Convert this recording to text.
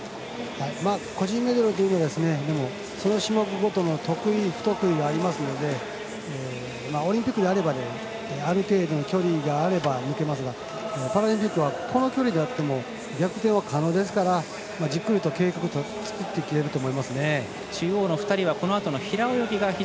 個人メドレーなのでその種目ごとの得意、不得意がありますのでオリンピックであればある程度の距離があれば抜けますがパラリンピックはこの距離であっても逆転は可能ですからじっくりと作っていけると思いますね。